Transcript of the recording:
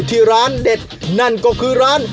แต่ว่าพอพี่จินมา